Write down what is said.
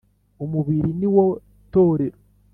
Umubiri niwo torero.